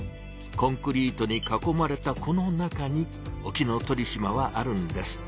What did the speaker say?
コンクリートに囲まれたこの中に沖ノ鳥島はあるんです。